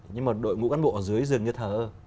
nhưng mà đội ngũ căn bộ ở dưới dường như thờ